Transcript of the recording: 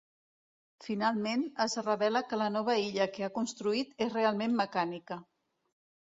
Finalment es revela que la nova illa que ha construït és realment mecànica.